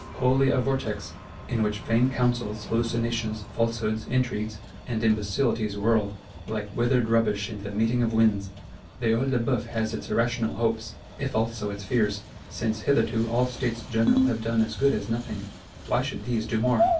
Wholly a vortex; in which vain counsels, hallucinations, falsehoods, intrigues, and imbecilities whirl; like withered rubbish in the meeting of winds! The Œil de Bœuf has its irrational hopes, if also its fears. Since hitherto all States General have done as good as nothing, why should these do more?